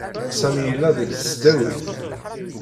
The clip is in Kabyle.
Sami yella deg tesdawit.